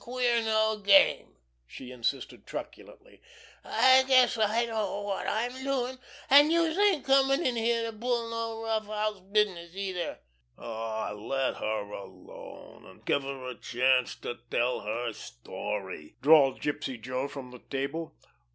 "I didn't queer no game!" she insisted truculently. "I guess I know wot I'm doin'; an' youse ain't comin' in here to pull no rough house business neither!" "Aw, let her alone, an' give her a chance to tell her story," drawled Gypsy Joe from the table.